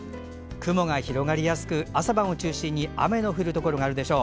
雲が広がりやすく朝晩を中心に雨の降るところがあるでしょう。